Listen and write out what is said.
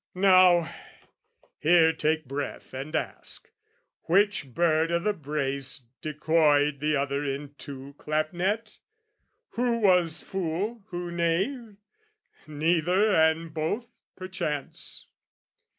Now, here take breath and ask, which bird o' the brace Decoyed the other into clapnet? Who Was fool, who knave? Neither and both, perchance.